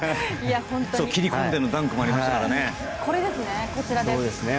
切り込んでのダンクもありましたからね。